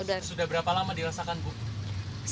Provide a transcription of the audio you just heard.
sudah berapa lama dirasakan bu